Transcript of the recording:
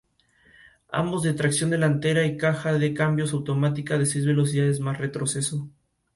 Es una de las aplicaciones comerciales más conocidas.